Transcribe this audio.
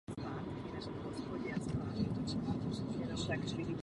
Brzy mu byla nabídnuta funkce profesora chirurgie na The Ohio State University.